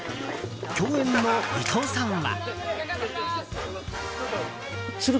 共演の伊藤さんは。